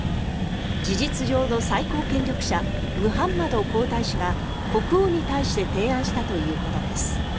事実上の最高権力者ムハンマド皇太子が国王に対して提案したということです。